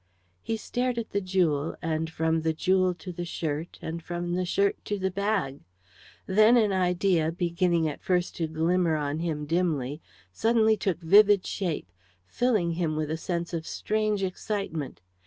He stared at the jewel, and from the jewel to the shirt, and from the shirt to the bag. Then an idea, beginning at first to glimmer on him dimly, suddenly took vivid shape, filling him with a sense of strange excitement.